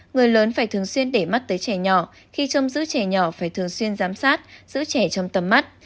người lớn phải thường xuyên để mắt tới trẻ nhỏ khi trông giữ trẻ nhỏ phải thường xuyên giám sát giữ trẻ trong tầm mắt